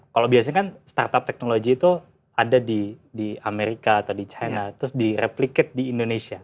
kalau biasanya kan startup teknologi itu ada di amerika atau di china terus di replicate di indonesia